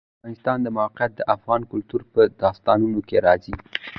د افغانستان د موقعیت د افغان کلتور په داستانونو کې راځي.